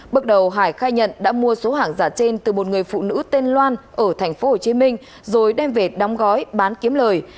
bước đầu hải khai nhận đã mua số hàng giả trên từ một người phụ nữ tên loan ở tp hcm rồi đem về đóng gói bán kiếm lời